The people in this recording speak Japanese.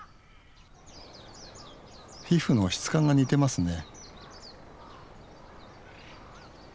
皮膚の質感が似てますね